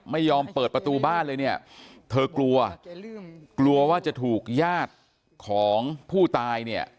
ไม่ยอมเปิดประตูบ้านเลยเธอกลัวว่าจะถูกญาติของผู้ตาย